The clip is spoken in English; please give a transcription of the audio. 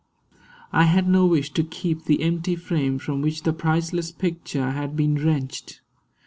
I had no wish to keep the empty frame From which the priceless picture had been wrenched.